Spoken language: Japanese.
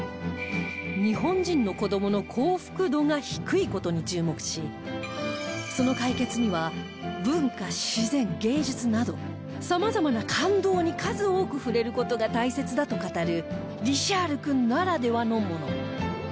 日本人の子どもの幸福度が低い事に注目しその解決には文化自然芸術などさまざまな感動に数多く触れる事が大切だと語るリシャール君ならではのもの